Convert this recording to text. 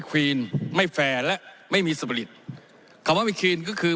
ควีนไม่แฟร์และไม่มีสบริตคำว่ามีครีนก็คือ